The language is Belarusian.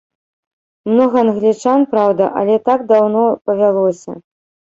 Многа англічан, праўда, але так даўно павялося.